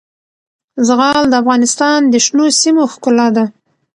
زغال د افغانستان د شنو سیمو ښکلا ده.